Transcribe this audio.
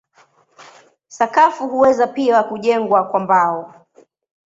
Sakafu huweza pia kujengwa kwa mbao.